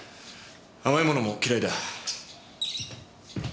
甘い物も嫌いだ。